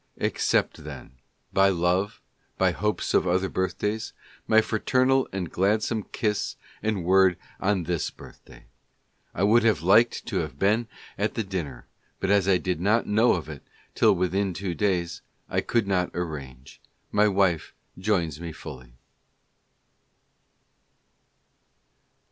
Accept, then, by love, by hopes of other birthdays, my fraternal and gladsome kiss and word on this birthday. ... I would have liked to have been at the dinner, but as I did not know of it till within two days ... I could not arrange. ... My wife joins me fully.